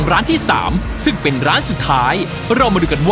หรือ๒ป่วย